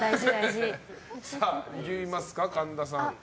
いきますか、神田さん。